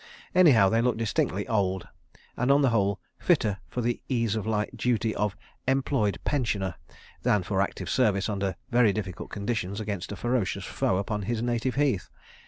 Anyhow, they looked distinctly old, and on the whole, fitter for the ease and light duty of "employed pensioner" than for active service under very difficult conditions against a ferocious foe upon his native heath.